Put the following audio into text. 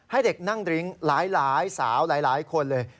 ให้เด็กนั่งดริ้งหลายสาวหลายคนเลย